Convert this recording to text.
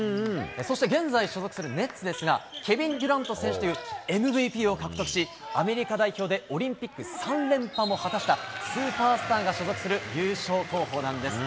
そして現在所属するメッツですが、ケビン・デュラント選手というＭＶＰを獲得し、アメリカ代表でオリンピック３連覇も果たしたスーパースターが所属する優勝候補なんです。